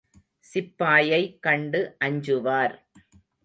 சிப்பாயை கண்டு அஞ்சுவார்.